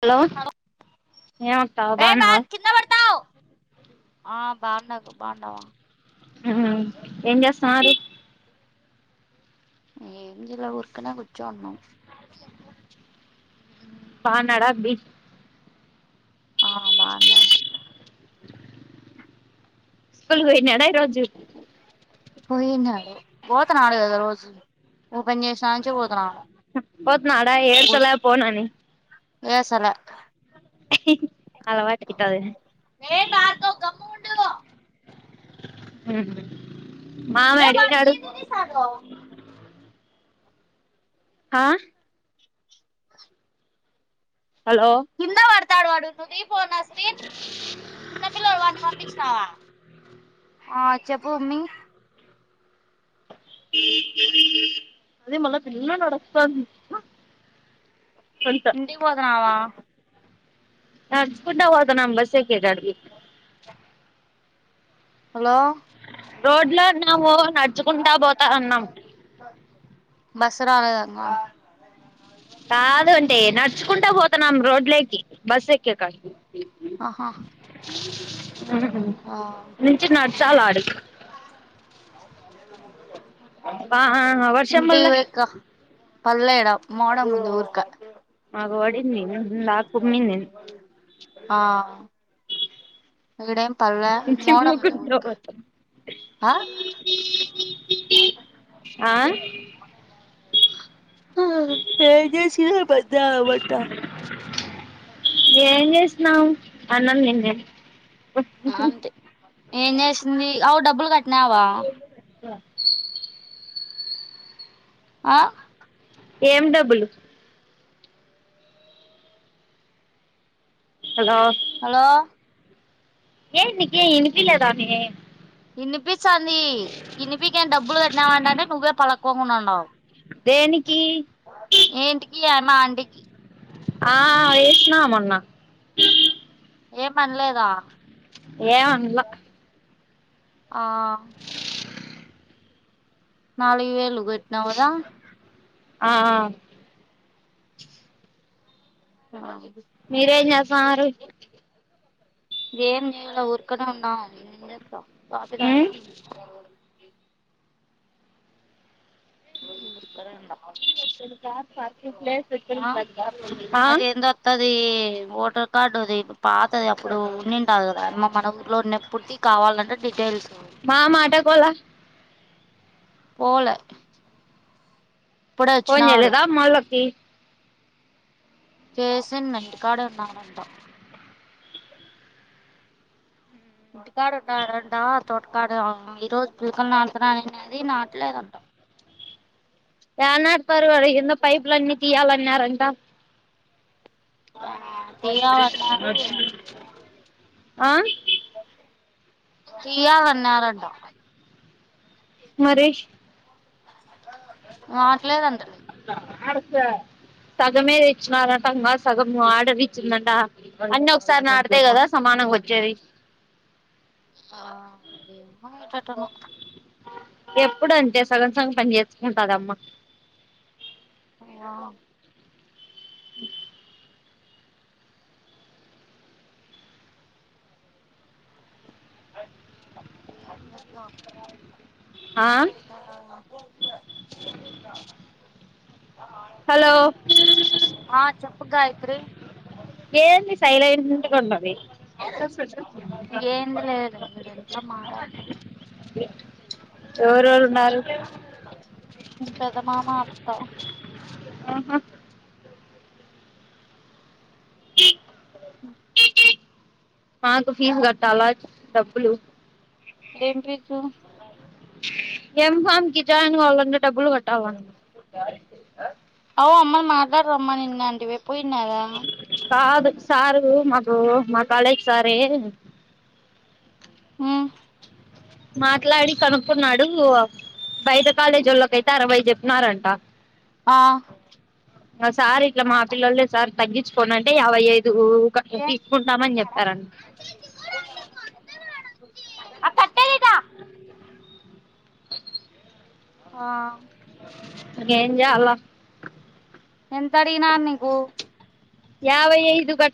hello ఏమక్క ఏ బా బన్నావా కింద పడతావ్ ఆ బాగుండగు బాగుండవా ఉమ్ ఏం చేస్తాన్నారు ఏం జైలా ఊర్కనే కూచోన్నాం బాన్నాడ అబ్బి ఆ బాండాడు స్కూల్ పోయినాడ ఈ రోజు పోయిన్నాడు పోతున్నాడు కదా రోజు ఓపెన్ చేసినాంచే పోతాన్నాడు పోతున్నాడ ఏడ్చల పోనని ఏసాల అలవాటైతాద నువ్వు గమ్ముగుండు ఉహు మామ ఏ వాడు ఎడబినాడు ఏంది తీసాడు హా హలో ఇస్తాడు వాడు నువ్వుదిపో నస్రీన్ చిన్న పిల్లడు వాడిన్నీ పంపించినావా ఆ చెప్పు అమ్మి అదే మల్ల పిల్ల నడుస్తా గా ఇంటికి పోదనావా నడుచుకుంటూ పోతున్నాం బస్సు ఎక్కి కాడికి హలో రోడ్ లోన్నాము నడుచుకుంటా పోతా ఉన్నాము ఇత్తరాయంగా కాదు అండి నడుచుకుంటా పోతాన్నాం రోడ్లేకి బస్సు ఎక్కే కాడికి ఆహా హ్మ్ ఆ నన్చింనాడు చాల ఆడకి ఆ వర్షం ఇంటికి వల్ల పోయి కప్ పలే దా మోడం ముందా ఉరకా మాకు పడింది లాక్ కుమ్మింది ఆ ఇడేం పళ్ళ మోడం ఉందా ఊరికే ఆ అ ఆ ఆ ఏం చేసినా పద్య వంట ఏం చేసినావు అన్నం [unintelligible] అంతే ఏం చేసింది ఆవు డబ్బులు కట్టినావా ఆ ఆ ఏం డబ్బులు హలో హలో ఏ నికి ఇనిపిలేదానే ఇనిపిస్తాది ఇనిపకి ఏం డబ్బులు కట్టినావంటటే నువ్వే పలక్కోకుండా ఉండవు దేనికి మాఆంటీకి ఆ వేసిన మోన్న ఏం అనలేదా ఏం అన్లా ఆ హా నాలుగు వేలు కట్టినావు కదా ఆ ఆ మీరేం చేస్తాన్నారు ఏం చేయల ఊరికనే ఉండం ఏం చేద్దాం కాఫీ తాగినాం [unintelligible] కదు first place [unintelligible] the voter card ది పాత అది అప్పుడు ఉన్నింటదు కదా అమ్మా మన ఊర్లో ఉన్న అప్పుడుది కావాలంటే డీటెయిల్స్ మా మాటకోలా పోలే ఇప్పుడే ఫోన్ వచ్చినాడు చేయలేదా మల్ల కి చేస్తున్న ఇంటికాడ ఉన్నానుంట ఇంటికాడు ఉంటడంట తోటకాడు ఆ ఈ రోజు [unintelligible] అనేది నాటలేదంట ఏనాటి పరువఆడ కింద పైపులన్నీ తీయాలన్నారంట తీయాలన్నారు ఆ తీయాల అన్నారంట మరి నాటలేదంటలే అడుస సగమే తెచ్చినారంట సగం ఆడర్ ఇచ్చిందంట అన్న ఒకసారి ఆడతే కదా సమాన కొచేవి కు ఎప్పుడుంటే సగం సంగ పని చేసుుకుంటదమ్మా ఆ ఏ అ ఆ ఆ హలో ఆ చెప్పు గాయిత్రీ ఏ సైలంటగా ఉన్నది అదే ఏంది లేదు వీడింట్లో పెదనాన్న అత్త ఆహా మాకు ఫీజు కట్టాలా డబ్బులు ఏం ఫీసు ఏం ఫామ్ గిజను అలున్న డబ్బులు కోట్లవ ఓ అమ్మ మాట్లాడరమ్మాని నిన్న అంటివే పోయింన్నార కాదు సారు మాకు మా కాలేజ్ సారే మ్మ్ మాట్లాడి కనుక్కున్నాడు బయట కాలేజీల్లోకైతే అరవై చెప్ నారాంట ఆ ఆ సార్ ఇట్లా మా పిల్లలే సార్ తగ్గించుకోనంటే యాభై ఐ ఊక ఏ తీసుకుంటామని కుట్టినాడా చెప్పారం ఆ కట్టె ఇక ఆ గెంజలా ఎంతడిగిన నీకు యావైఐదు గ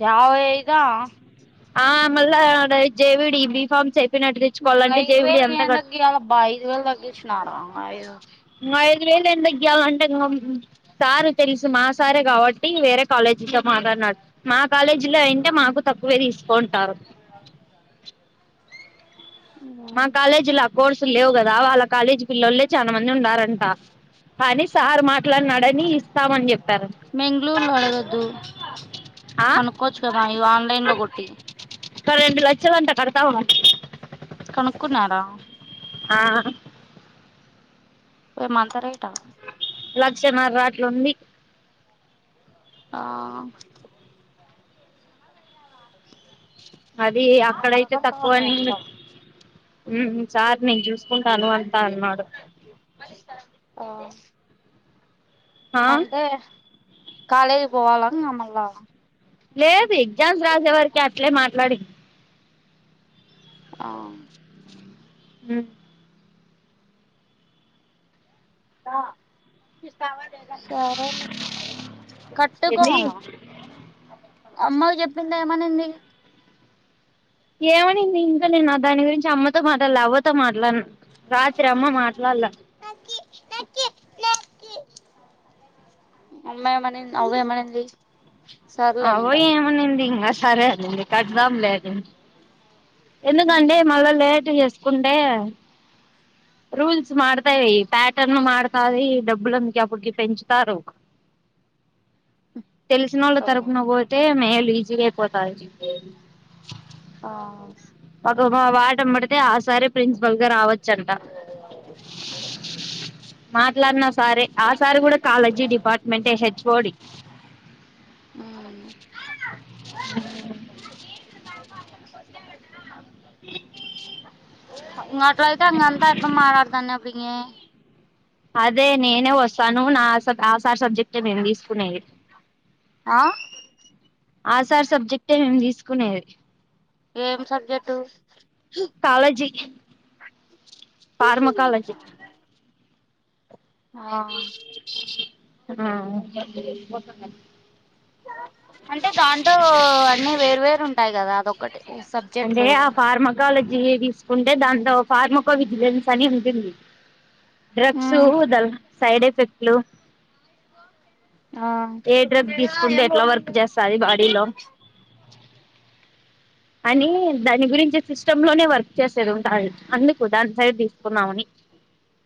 జవైదా ఆ మళ్ళ అ జేవిడి బీఫార్మ్ చె ఐ వేలు ఏం తగ్గియాలబ్బ ఐదు వేలు తగ్గించినాడా ఐదు ఇంకా ఐదు వేలు ఎం తగ్గియలంటే ఇంకా సారు తెలుసు మా సారే కాబట్టి వేరే కాలేజ్ ఇగ మాట్లాడినారు మా కాలేజీ లో అయింటే మాకు తక్కువే తీసుకోంటారు మా కాలేజీలో ఆ కోర్సులు లేవు గదా వాళ్ళ కాలేజీ పిల్లలే చానా మంది ఉండారంట కాని సార్ మాట్లాడినాడని ఇస్తామని చె మెంగ్లురులో అడగద్దు ఆ కనుక్కోచ్చు కదా ఇవి ఆన్లైన్ లో గొట్టి చవ్ అంత కడతావ కనుక్కున్నార ఆ ఏ మంతరేటా లక్షన్నారాట్లుంది ఆ అది యక్కడయితే తక్కువ అడగటోళ్ళు అని అందరూ మ్మ్ చార్ నేన్‌ జాసుకుంటాను అంతా అన్నాడు ఆ అంతె కాలేజ్ పోవాలా మల్లా లేదు ఎగ్జామ్స్ రాసేవరికి అట్లే మాట్లాడి ఆ ఉ రా సరేలే కట్టుకో ఏంది అమ్మ చెప్పింది ఏమనింది ఏమనింది ఇంకా నేను నా దాని గురించి అమ్మతో మాట్లాల్లె అవ్వతో మాట్లాన రాత్రి అమ్మ మాట్లాల్లె కి నాకి నాకీ అమ్మేమని అవ్వేమనింది అవో ఏమనింది ఇంగ సరే అంది కడదాం లేని ఎందుకండి మల్ల లేట్ చేసుకుంటే రూల్స్ మాడతాయి ప్యాటర్న్ మారుతాది డబ్బులంక అప్పటికి పెంచుతారు అ తెలుసినో తరుపున పోతే మేలు ఈజీగా అయిపోతది ఆ ఒక వాట ముడితే ఆ సార ప్రిన్సిపల్ గా రావచ్చంట మాట్లాడిన సారే ఆ సారి కూడా కాలజీ డిపార్ట్మెంటట్ హెచ్ఓడి ఉమ్ ఉమ్ మాట్లా అయితే అంతా ఇప్పుడు [unintelligible] అప్పుడి అదే నేనే వస్తాను నా నా సార్ సబ్జెక్ట్ ఏ మేము తీసుకునేది ఆ ఆ సార్ సబ్జెక్టే మేము తీసుకునేది ఏం సబ్జెక్టు ఫార్మా కాలేజి ఆ ఆ అంటే దాంట్లో అన్ని వేర్ వేరు ఉంటాయి కదా అదొక్కటి అంటే సబ్జెక్టులు ఆ ఫార్మకాలజీ తీసుకుంటే దాం ఫార్మకో విజిలెన్స్ అని ఉంటుంది డ్రగ్స్ ఉమ్ వదల సైడ్ ఎఫెక్ట్లు ఆ ఫుడ్ ఎట్లా వర్క్ చేస్తాది బాడీలో అని దాని గురించి సిస్టమ్ లోనే వర్క్ చేసేది ఉంటంది అందుకు దాన్ని సైడ్ తీసుకున్దమని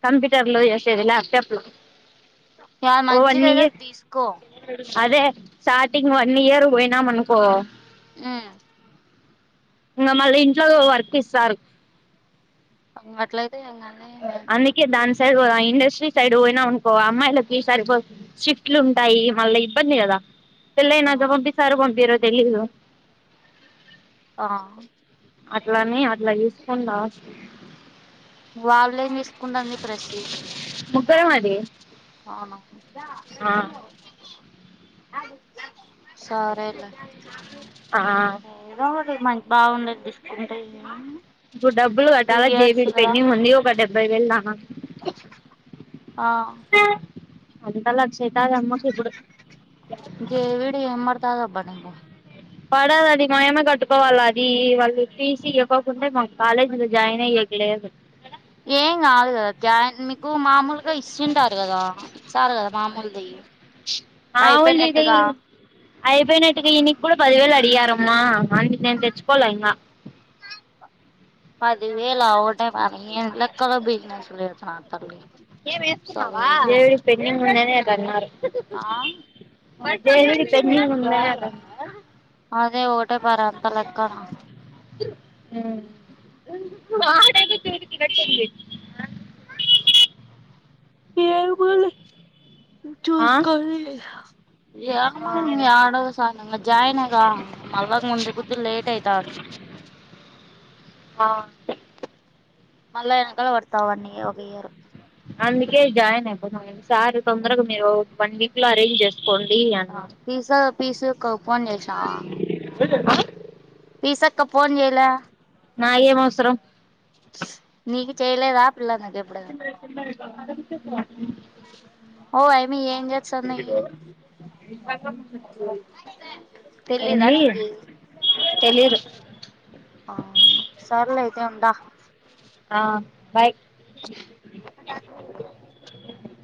కంప్యూటర్ లో చేసేది ల్యాప్టాప్ లో చాలా ఓ వన్ మంచిది అది ఇయర్ తీసుకో అదే స్టార్టింగ్ వన్ ఇయర్ పోయినాం అనుకో హ్మ్ ఇంకా మళ్ళీ ఇంట్లో వర్క్ ఇస్తారు అట్లయితే ఎ అందుకే డాన్స్ సైపోదా ఇండస్ట్రీ సైడ్ పోయినా అనుకో అమ్మాయిలకి సరిపో షిఫ్ట్లు ఉంటాయి మళ్ళి ఇబ్బంది కదా ఆ పెళ్లయ్యాక పంపిస్తారో పంపియరు తెలియదు ఆ అట్లనే అట్లా చూసుకుండా వాళ్ళేం తీసుకుంటంది ప్ర్రసి ముగ్గురం అది అవునా ఆ సరేలా ఆ ఏదో ఒకటి మంచి బాగుండేది దీసుకుంటే ఇప్పుడు డబ్బులు కట్టాలా జేబీడి పెంన్నింగ్ ఉంది ఒక డెబ్బై వెేల ఆ అంతా లక్ష అయితది అమ్మకి ఇప్పుడు జేవిడి [unintelligible] పడాలి అది మాయమే కట్టుకోవాలి అది వాళ్ళు ఫీసీ ఇవ్వకోకుండా మా కాలేజీ మీద జాయిన్ అయ్య లేదు ఏం కాదు కదా జాయిన్ మీకు మామూలుగా ఇస్తుింటారు కదా ఇస్తారు కదా మామూలుది ఆవులది అయిపోయినట్టుగా అయిపోయినాటుగా ఇంటి కూడా పదివేలు అడిగారమ్మ [unintelligible] నేను తెచుకోలే పదివేలావట పనిలక్ దోబిందితల్లి ఏం వేసుకున్నావా దేవుడి పెండింగ్ ఉందనే అ అన్నారు ఆ అతే [inaudible] అదే టే అంత లెక్కనా మ్ [inaudible] ఏమోలే ఆ చూసుకోలే ఏమ్మా యెడవ సాన జాయిన్ గా మళ్ళ ఉండే కుద్ది లేట్ అయితాది [inaudible] ఆ మళ్ళా ఎనకాల పడతావ్ వన్ ఇయరు ఒక ఇయరు అందుకే జాయిన్ అయిపోదాం సార్ తొందరగా మీరు వన్ వీక్ లో అరేంజ్ జేస్త పీజా పీజ ఫోన్ జేసినవా తెజ [inaudible] నిసక్క పోన్ జేయలే నాయే మవసరం నీకు చేయలేదా పిల్ల నాకు ఎప్పుడు అద విచ్చ పో [inaudible] ఓ అయిమీ ఏంజేస్తున్ని తెలీదా ఎంది నీకి తెలియదు ఆ సర్లె అయితే ఉంటా ఆ బాయ్ [inaudible]